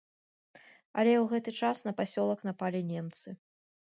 Але ў гэты час на пасёлак напалі немцы.